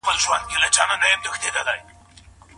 تاسي باید د خپلو پښو بوټان په سمه توګه انتخاب کړئ.